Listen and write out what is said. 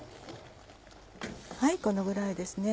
このぐらいですね。